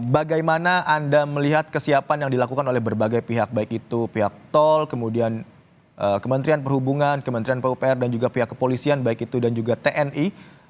bagaimana anda melihat kesiapan yang dilakukan oleh berbagai pihak baik itu pihak tol kemudian kementerian perhubungan kementerian pupr dan juga pihak kepolisian baik itu dan juga tni